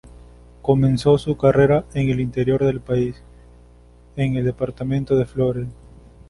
Comenzó su carrera en el interior de su país, en el departamento de Flores.